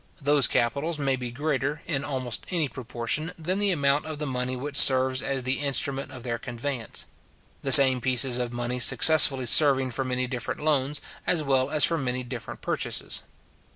Those capitals may be greater, in almost any proportion, than the amount of the money which serves as the instrument of their conveyance; the same pieces of money successively serving for many different loans, as well as for many different purchases.